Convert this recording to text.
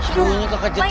karunya kekejutan gitu